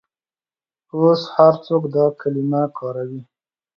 اوس هر څوک دا کلمه کاروي.